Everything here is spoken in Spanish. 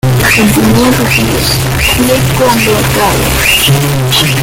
Él fue emparejado con la dos veces ganadora, Cheryl Burke.